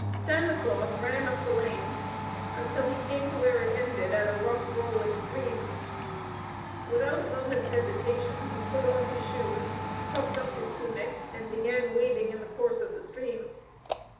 Stanislaus ran up the lane until he came to where it ended at a rough, brawling stream. Without a moment's hesitation he put off his shoes, tucked up his tunic, and began wading in the course of the stream.